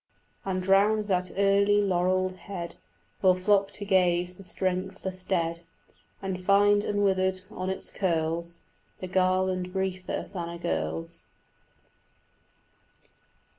And round that early laurelled head Will flock to gaze the strengthless dead, And find unwithered on its curls The garland briefer than a girl's.